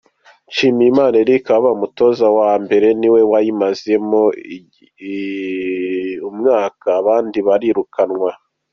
Nshimiyimana Eric wabaye umutoza wa mbere wayo niwe wenyine wayimazemo umwaka, abandi baririkunwa.